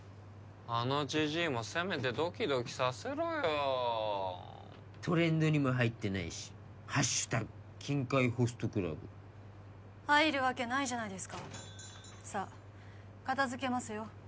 あのジジイもせめてドキドキさせろよトレンドにも入ってないし「＃金塊ホストクラブ」入るわけないじゃないですかさあ片づけますよ